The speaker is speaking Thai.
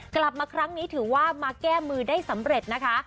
กลับมาครั้งนี้ถือว่ามาแก้มือได้สำเร็จนะคะ